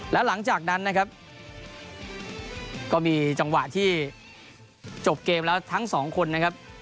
แล้วหลังจากนั้นนะครับก็มีจังหวะที่จบเกมแล้วทั้งสองคนนะครับ